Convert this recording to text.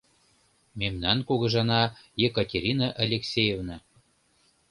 Мемнан кугыжана — Екатерина Алексеевна!